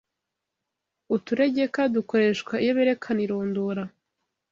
Uturegeka dukoreshwa iyo berekana irondora